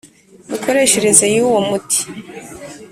mikoreshereze y uwo muti